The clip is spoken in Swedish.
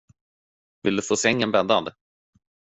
Vill du få sängen bäddad?